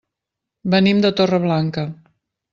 Venim de Torreblanca.